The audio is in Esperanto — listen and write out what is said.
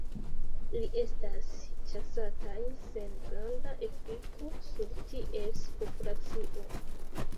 Ili estas ĉasataj sen granda efiko sur ties populacio.